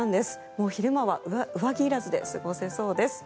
もう昼間は上着いらずで過ごせそうです。